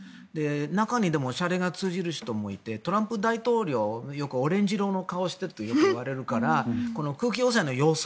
中に、でもしゃれが通じる人がいてトランプ大統領オレンジ色の顔してるってよく言われるからこの空気汚染の予想